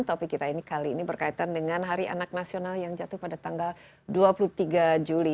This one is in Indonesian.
topik kita ini kali ini berkaitan dengan hari anak nasional yang jatuh pada tanggal dua puluh tiga juli